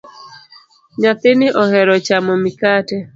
Nyathini ohero chamo mikate